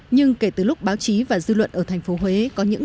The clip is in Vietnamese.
nhưng kể từ lúc báo chí và dư luận ở thành phố huế